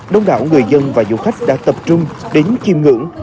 đông đảo người dân và du khách đã tập trung đến chiêm ngưỡng